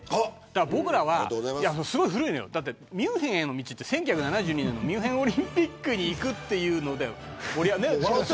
僕らはミュンヘンの道って１９７２年のミュンヘンオリンピックに行くっていうので盛り上がって。